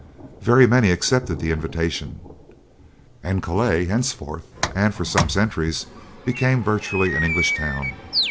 Very many accepted the invitation, and Calais henceforth and for some centuries became virtually an English town.